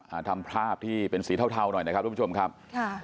อ่าทำภาพที่เป็นสีเทาเทาหน่อยนะครับทุกผู้ชมครับค่ะ